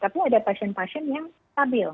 tapi ada pasien pasien yang stabil